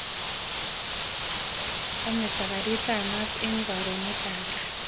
Kameto karitap mat eng karonetap ra